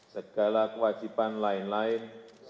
segala kewajiban lain lain